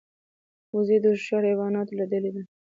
وزې د هوښیار حیواناتو له ډلې ده